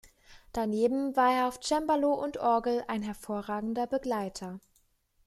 Daneben war er auf Cembalo und Orgel ein hervorragender Begleiter.